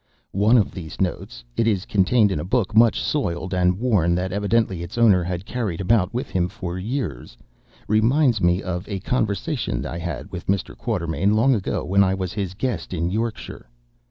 One of these notes—it is contained in a book much soiled and worn that evidently its owner had carried about with him for years—reminds me of a conversation that I had with Mr. Quatermain long ago when I was his guest in Yorkshire.